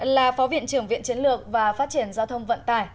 là phó viện trưởng viện chiến lược và phát triển giao thông vận tải